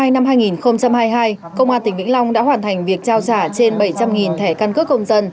năm hai nghìn hai mươi hai công an tỉnh vĩnh long đã hoàn thành việc trao trả trên bảy trăm linh thẻ căn cước công dân